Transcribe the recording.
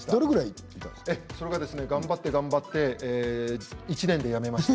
頑張って、頑張って１年で辞めまして。